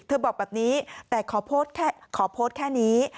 บอกแบบนี้แต่ขอโพสต์แค่นี้